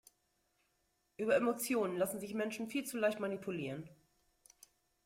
Über Emotionen lassen sich Menschen viel zu leicht manipulieren.